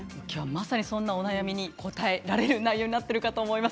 そんなお悩みに答えられる内容になっていると思います。